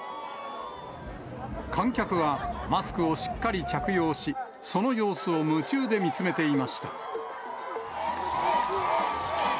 観客はマスクをしっかり着用し、その様子を夢中で見つめていました。